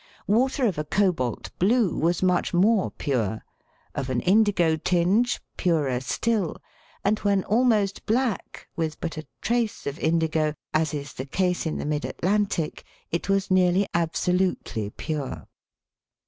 Water of a cobalt blue was much more pure, of an indigo tinge purer still, and when almost black, with but a trace of indigo, as is the case in the mid Atlantic, it was nearly absolutely pure.